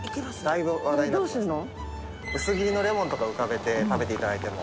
薄切りのレモンとか浮かべて食べていただいても。